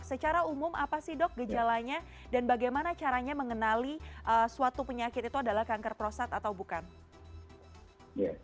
secara umum apa sih dok gejalanya dan bagaimana caranya mengenali suatu penyakit itu adalah kanker prostat atau bukan